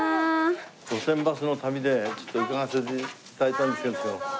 『路線バスの旅』でちょっと伺わせて頂いたんですけれど。